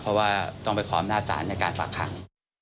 เพราะว่าต้องไปขออำนาจศาลในการฝากขัง